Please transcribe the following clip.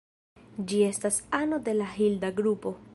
Ĝi estas ano de la Hilda grupo.